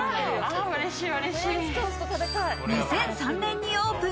２００３年にオープン。